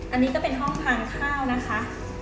อันนี้ก็เป็นห้องทานข้าวนะคะ